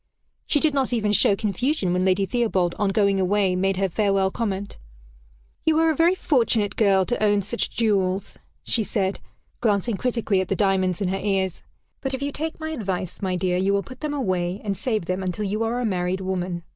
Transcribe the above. She did not even show confusion when Lady Theobald, on going away, made her farewell comment: "You are a very fortunate girl to own such jewels," she said, glancing critically at the diamonds in her ears; "but if you take my advice, my dear, you will put them away, and save them until you are a married woman.